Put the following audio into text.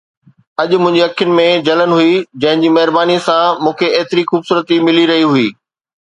اڄ منهنجي اکين ۾ جلن هئي، جنهن جي مهربانيءَ سان مون کي ايتري خوبصورتي ملي رهي هئي